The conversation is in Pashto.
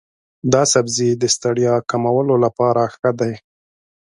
دا سبزی د ستړیا کمولو لپاره ښه دی.